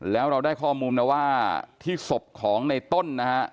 แล้วเราได้ข้อมูลนะว่าที่ศพของในต้นนะฮะ